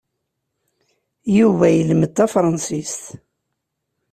Yuba yelmed tafransist?